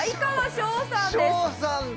翔さんだ！